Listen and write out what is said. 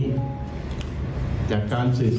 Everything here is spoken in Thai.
ผู้บังคับการตำรวจบูธรจังหวัดเพชรบูนบอกว่าจากการสอบสวนนะครับ